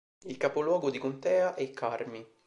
Il capoluogo di contea è Carmi.